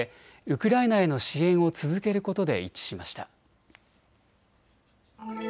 ウクライナへの支援を続けることで一致しました。